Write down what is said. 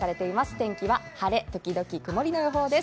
天気は晴れ時々曇りです。